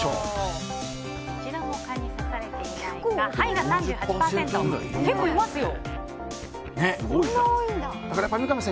一度も蚊に刺されていないはいが３８％、結構いますよ。